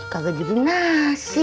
kagak jadi nasi